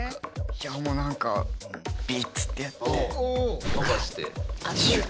いやもう何かビッつってやってガッシュッ！